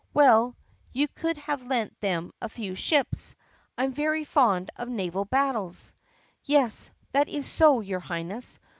"Well, you could have lent them a few ships. I 'm very fond of naval battles." "Yes, that is so, your Highness.